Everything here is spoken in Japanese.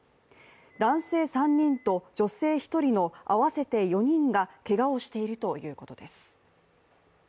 男性３人と女性１人の合わせて４人がけがをしているということです。